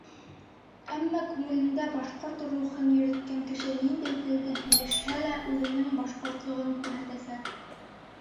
Әммә күңелендә башҡорт рухын йөрөткән кеше, ниндәй телдә һөйләшһә лә, үҙенең башҡортлоғон күрһәтәсәк.